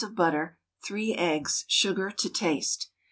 of butter, 3 eggs, sugar to taste.